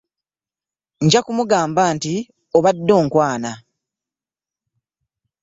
Nja kumugamba nti obadde onkwana.